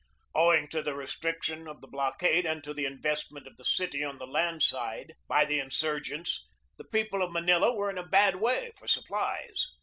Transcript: Owing to the restriction of the blockade and to the investment of the city on the land side by the in THE TAKING OF MANILA 273 surgents, the people of Manila were in a bad way for supplies.